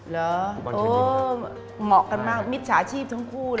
แล้วโอ๊ยเหมาะกันมากมิตรฉาชีพทั้งคู่เลยค่ะ